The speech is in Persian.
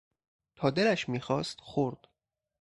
تا دلش میخواست خورد.